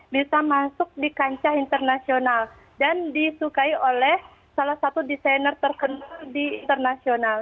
bisa masuk di kancah internasional dan disukai oleh salah satu desainer tertentu di internasional